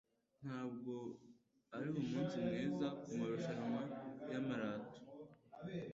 Ntabwo ari umunsi mwiza kumarushanwa ya marato